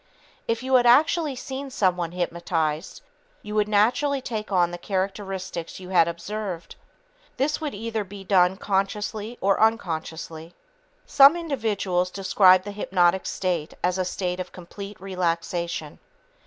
If you had actually seen someone hypnotized, you would naturally take on the characteristics you had observed. This would either be done consciously or unconsciously. Some individuals describe the hypnotic state as a state of "complete relaxation."